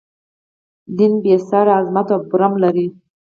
دین بې ساری عظمت او برم لري.